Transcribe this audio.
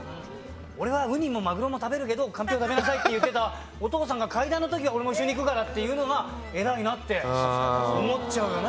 俺はウニもマグロも食べるけどかんぴょう食べなさいって言ってたお父さんが階段の時は俺も一緒に行くからっていうのは偉いなって思っちゃうよね